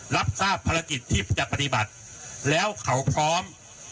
รับทราบภารกิจที่จะปฏิบัติแล้วเขาพร้อม